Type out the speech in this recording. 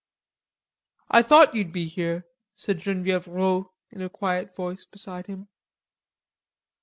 "I thought you'd be here," said Genevieve Rod in a quiet voice beside him.